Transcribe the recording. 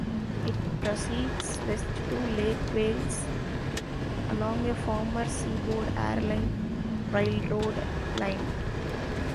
It proceeds west to Lake Wales along a former Seaboard Air Line Railroad line.